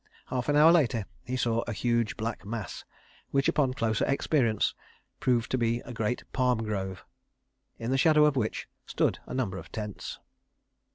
Half an hour later he saw a huge black mass which, upon closer experience, proved to be a great palm grove, in the shadow of which stood a number of tents.